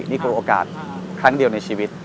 นี่คือโอกาสครั้งเดียวในชีวิต